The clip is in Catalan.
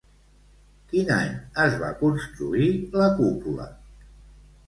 Quin any es va construir la cúpula?